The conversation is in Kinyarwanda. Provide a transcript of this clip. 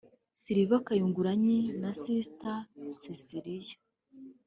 Sliver Kyagulanyi na St Cecelia